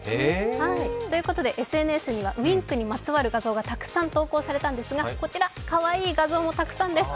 ＳＮＳにはウインクにまつわる画像がたくさん投稿されたんですが、こちらかわいい画像もたくさんです。